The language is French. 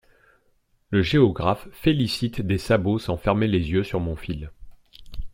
Le géographe félicite des sabots sans fermer les yeux sur mon fil.